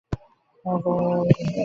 তা ছাড়া স্বপ্নকে তুচ্ছ করাও খুব মুশকিল।